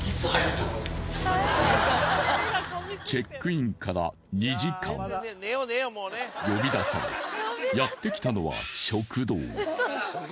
チェックインから２時間呼び出されやってきたのは食堂